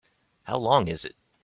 How long is it?